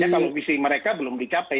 kalau visi mereka belum dicapai